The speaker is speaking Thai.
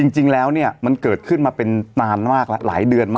จริงแล้วมันเกิดขึ้นมาเป็นตานมากลายเดือนมาก